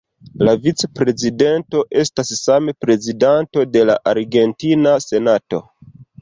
La vicprezidento estas same prezidanto de la argentina senato.